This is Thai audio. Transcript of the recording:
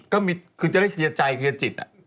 ก็คือจะได้เคลียร์ใจเคลียร์จิต